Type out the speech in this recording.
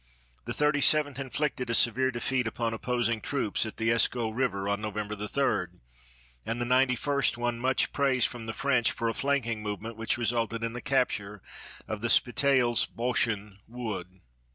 The Thirty seventh inflicted a severe defeat upon opposing troops at the Escaut River on November 3, and the Ninety first won much praise from the French for a flanking movement which resulted in the capture of the Spitaals Bosschen Wood.